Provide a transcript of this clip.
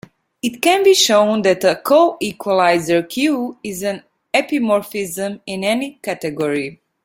It can be shown that a coequalizer "q" is an epimorphism in any category.